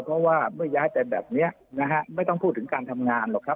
เพราะว่าเมื่อย้ายไปแบบนี้นะฮะไม่ต้องพูดถึงการทำงานหรอกครับ